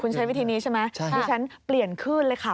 คุณใช้วิธีนี้ใช่ไหมดิฉันเปลี่ยนขึ้นเลยค่ะ